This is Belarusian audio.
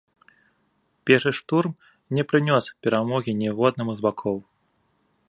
Першы штурм не прынёс перамогі ніводнаму з бакоў.